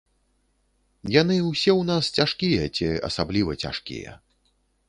Яны ўсе ў нас цяжкія ці асабліва цяжкія.